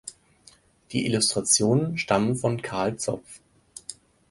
Die Illustrationen stammen von Carl Zopf.